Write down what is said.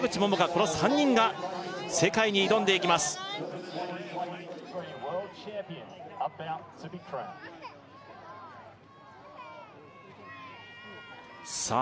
この３人が世界に挑んでいきますさあ